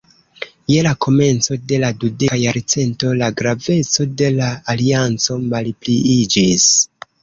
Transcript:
Je la komenco de la dudeka jarcento la graveco de la alianco malpliiĝis.